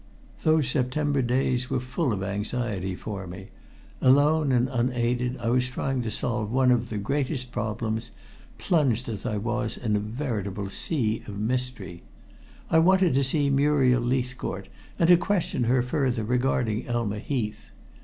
Those September days were full of anxiety for me. Alone and unaided I was trying to solve one of the greatest of problems, plunged as I was in a veritable sea of mystery. I wanted to see Muriel Leithcourt, and to question her further regarding Elma Heath.